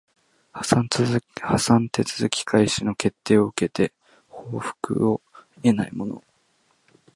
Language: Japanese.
破産手続開始の決定を受けて復権を得ない者